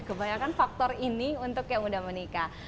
kebanyakan faktor ini untuk yang udah menikah